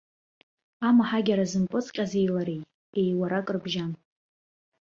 Амаҳагьара зымпыҵҟьази лареи еиуарак рыбжьан.